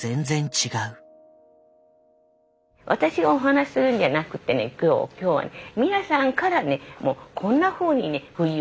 私がお話しするんじゃなくってね今日は皆さんからねもうこんなふうにね不自由してるとかね